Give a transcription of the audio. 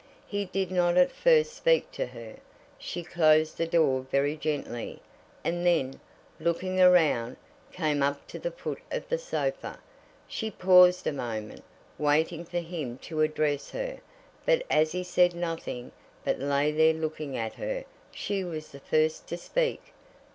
He did not at first speak to her. She closed the door very gently, and then, looking around, came up to the foot of the sofa. She paused a moment, waiting for him to address her; but as he said nothing, but lay there looking at her, she was the first to speak.